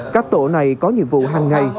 các tổ này có nhiệm vụ hằng ngày